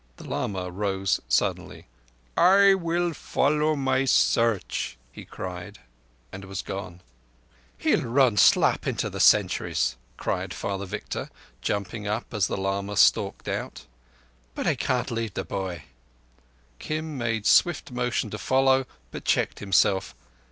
The lama rose suddenly. "I follow my Search," he cried, and was gone. "He'll run slap into the sentries," cried Father Victor, jumping up as the lama stalked out; "but I can't leave the boy." Kim made swift motion to follow, but checked himself.